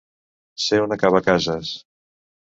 Ser un acabacases.